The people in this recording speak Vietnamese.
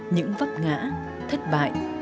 những vấp ngã thất bại